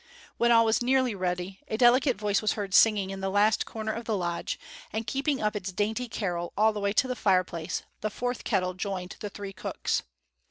When all was nearly ready, a delicate voice was heard singing in the last corner of the lodge, and keeping up its dainty carol all the way to the fireplace, the fourth kettle joined the three cooks.